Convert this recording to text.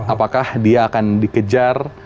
apakah dia akan dikejar